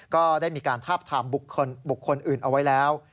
ก็ได้มีการทาบทามบุคคลอื่นเอาไว้แล้ว